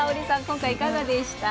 今回いかがでした？